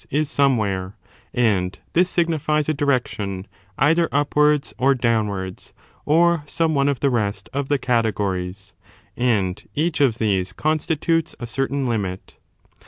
is somewhere, and this signifies a direction either upwards or downwards, or some one of the rest of the categories; and each of these constitutes a certain limit.